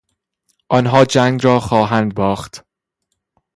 آنها جنگ را خواهند باخت.